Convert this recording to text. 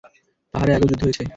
পাহাড়ে আগেও যুদ্ধ হয়েছে।